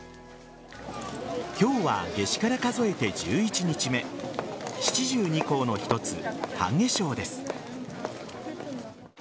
今日は夏至から数えて１１日目七十二候の一つ、半夏生です。